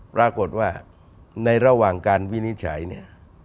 ปรากฏว่าในระหว่างการวินิจฉัยเนี่ย